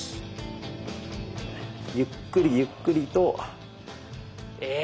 ゆっくりゆっくりと。え！